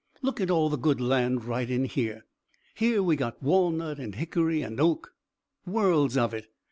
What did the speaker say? "Look at all the good land right in here! Here we got walnut and hickory and oak worlds of it.